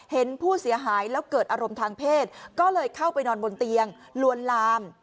เห็นผู้เสียหายแล้วเกิดอารมณ์ทางเพศก็เลยเข้าไปนอนบนเตียงลวนลาม